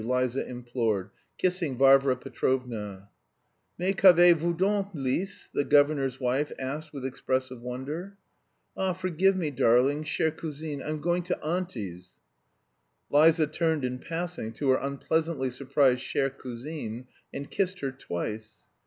Liza implored, kissing Varvara Petrovna. "Mais qu'avez vous donc, Lise?" the governor's wife asked with expressive wonder. "Ah, forgive me, darling, chère cousine, I'm going to auntie's." Liza turned in passing to her unpleasantly surprised chère cousine, and kissed her twice.